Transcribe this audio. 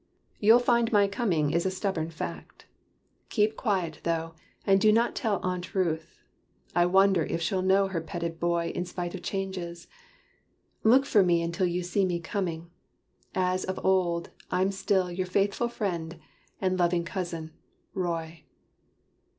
You'll find my coming is a stubborn fact. Keep quiet though, and do not tell Aunt Ruth I wonder if she'll know her petted boy In spite of changes. Look for me until You see me coming. As of old I'm still Your faithful friend, and loving cousin, Roy."